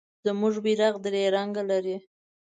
زمونږ بیرغ درې رنګه لري.